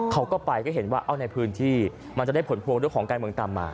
เขาก็ไปก็เห็นว่าเอาในพื้นที่มันจะได้ผลพวงเรื่องของการเมืองตามมา